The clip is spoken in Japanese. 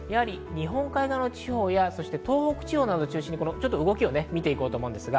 日本海側の地方や東北地方など中心に動きを見ていきます。